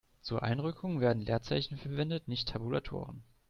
Zur Einrückung werden Leerzeichen verwendet, nicht Tabulatoren.